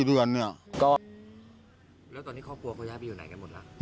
แล้วตอนนี้ครอบครัวเขาจะไปอยู่ไหนกันหมดล่ะ